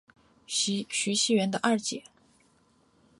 徐熙媛的二姐。